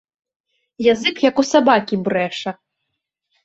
Язык як у сабакі брэша.